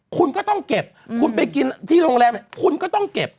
คุณก็ต้องเก็บคุณไปกินที่โรงแรมคุณก็ต้องเก็บ